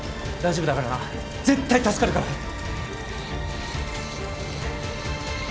大丈夫だからな絶対助かるから。